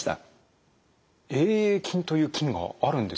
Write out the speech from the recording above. Ａ．ａ．菌という菌があるんですね。